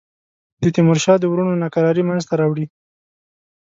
د تیمورشاه د وروڼو ناکراری منځته راوړي.